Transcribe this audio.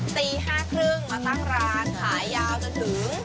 ตี๕๓๐มาตั้งร้านขายยาวจนถึง